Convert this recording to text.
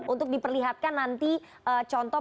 untuk diperlihatkan nanti contoh